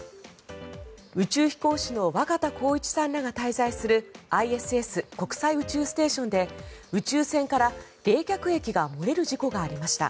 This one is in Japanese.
宇宙飛行士の若田光一さんらが滞在するＩＳＳ・国際宇宙ステーションで宇宙船から冷却液が漏れる事故がありました。